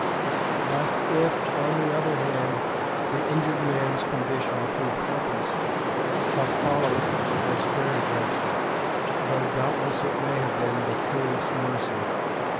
But if, on the other hand, the injured man's condition proved hopeless, what followed was very dreadful, though doubtless it may have been the truest mercy.